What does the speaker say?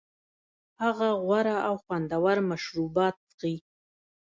هغه غوره او خوندور مشروبات څښي